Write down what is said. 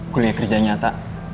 kuliah kerja nyata